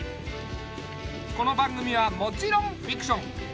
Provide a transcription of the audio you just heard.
この番組はもちろんフィクション。